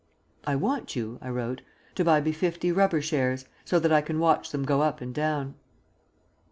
"I want you" (I wrote) "to buy me fifty rubber shares, so that I can watch them go up and down."